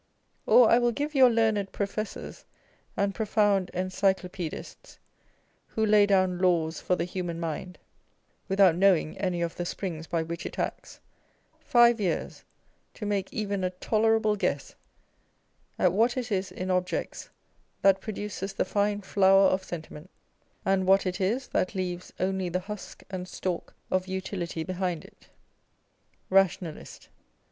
Or I will give your learned professors and profound Encyclopedists, who lay down laws for the human mind without knowing any of the springs by which it acts, five years to make even a tolerable guess at what it is in objects that produces the fine flower of Sentiment, and what it is that leaves only the husk and stalk of Utility behind it. Rationalist.